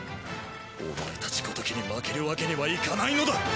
お前たちごときに負けるわけにはいかないのだ！